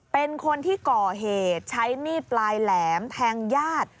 เป็นคนที่ก่อเหตุใช้มีดปลายแหลมแทงญาติ